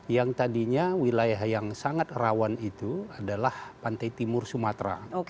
yang tadinya wilayah yang sangat rawan itu adalah pantai timur sumatera